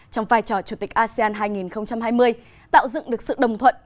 trong vai trò chủ tịch asean hai nghìn hai mươi tạo dựng được sự đồng thuận